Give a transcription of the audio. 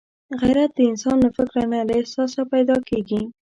غیرت د انسان له فکره نه، له احساسه پیدا کېږي